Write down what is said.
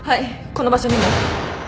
この場所にも。